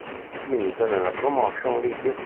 Milita nella Promotion League.